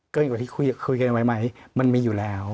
กว่าที่คุยกันไว้ไหมมันมีอยู่แล้ว